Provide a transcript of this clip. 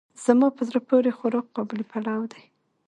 زما په زړه پورې خوراک قابلي پلو دی.